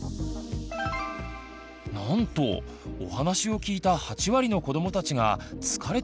なんとお話を聞いた８割のこどもたちが「疲れている」と答えました。